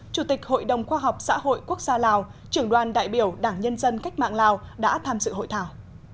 chủ tịch hội đồng khoa học xã hội quốc gia lào trưởng đoàn đại biểu đảng nhân dân cách mạng lào đã tham dự hội thảo